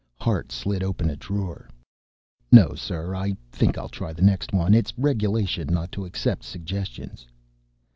Hart slid open a drawer. "No, sir, I think I'll try the next one. It's regulation not to accept suggestions."